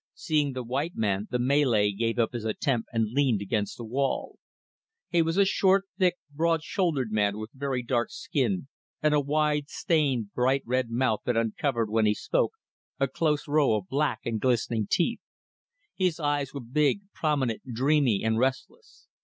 Seeing the white man, the Malay gave up his attempt and leaned against the wall. He was a short, thick, broad shouldered man with very dark skin and a wide, stained, bright red mouth that uncovered, when he spoke, a close row of black and glistening teeth. His eyes were big, prominent, dreamy and restless.